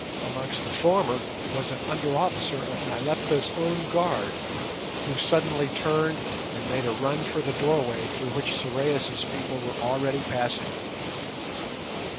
Amongst the former was an under officer of Nyleptha's own guard, who suddenly turned and made a run for the doorway through which Sorais' people were already passing.